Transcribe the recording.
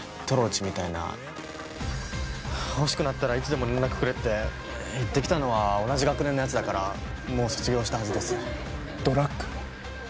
トローチみたいな欲しくなったらいつでも連絡くれって言ってきたのは同じ学年のやつだからもう卒業したはずですドラッグ？